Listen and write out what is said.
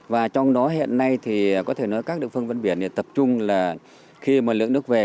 và trong đó hiện nay thì có thể nói các địa phương ven biển tập trung là khi mà lượng nước về